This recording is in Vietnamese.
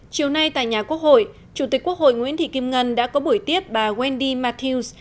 chiều nay tại nhà quốc hội chủ tịch quốc hội nguyễn thị kim ngân đã có buổi tiếp bà wendy matthews